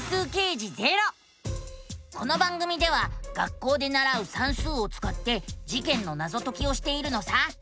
この番組では学校でならう「算数」をつかって事件のナゾ解きをしているのさ。